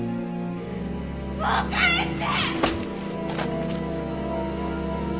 もう帰って！